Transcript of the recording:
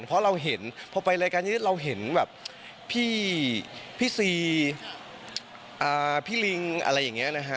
เพราะเราเห็นพอไปรายการนี้เราเห็นแบบพี่ซีพี่ลิงอะไรอย่างนี้นะฮะ